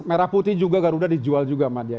merah putih juga garuda dijual juga sama dia